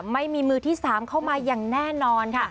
ไม่มีมือที่๓เข้ามาอย่างแน่นอนค่ะ